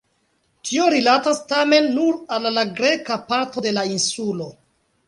Tio rilatas tamen nur al la greka parto de la insulo.